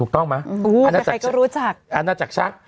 ใครก็รู้จักอาณาจักรชรัก